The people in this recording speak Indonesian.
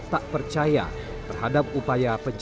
dengan ekonomi wollteh